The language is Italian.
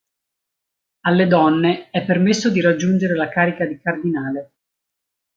Alle donne è permesso di raggiungere la carica di cardinale.